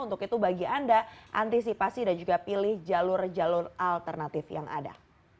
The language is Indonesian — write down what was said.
untuk itu bagi anda antisipasi dan juga pilih jalur jalur alternatif yang ada